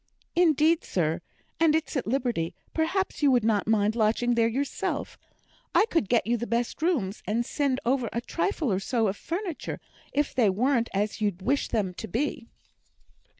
"Indeed, sir, and it's at liberty; perhaps you would not mind lodging there yourself; I could get you the best rooms, and send over a trifle or so of furniture, if they wern't as you'd wish them to be."